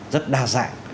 rất đa dạng